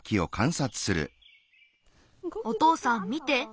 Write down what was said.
おとうさん見て。